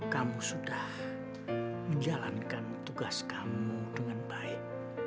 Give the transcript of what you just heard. kamu sudah menjalankan tugas kamu dengan baik